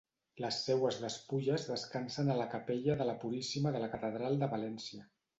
Les seues despulles descansen a la capella de la Puríssima de la Catedral de València.